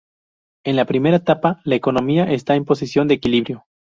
En la primera etapa la economía está en posición de equilibrio.